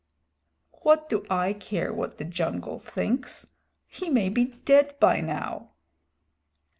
"What do I care what the jungle thinks? He may be dead by now."